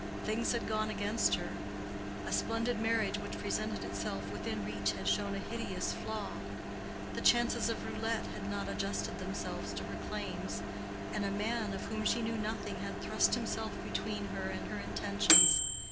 Things had gone against her. A splendid marriage which presented itself within reach had shown a hideous flaw. The chances of roulette had not adjusted themselves to her claims; and a man of whom she knew nothing had thrust himself between her and her intentions.